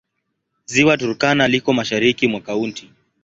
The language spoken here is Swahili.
Ziwa Turkana liko mashariki mwa kaunti.